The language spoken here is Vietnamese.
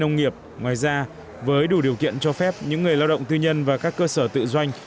nông nghiệp ngoài ra với đủ điều kiện cho phép những người lao động tư nhân và các cơ sở tự doanh